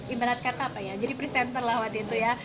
ibarat kata apa ya jadi presenter lah waktu itu ya